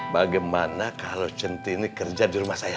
bagaimana kalo centini kerja di rumah saya